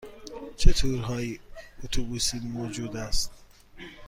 چه تورهای اتوبوسی موجود است؟